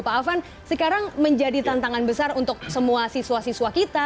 pak afan sekarang menjadi tantangan besar untuk semua siswa siswa kita